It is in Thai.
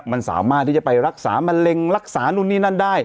มันสามารถที่จะไปรักษามะเร็งรักษานู่นนี่นั่นได้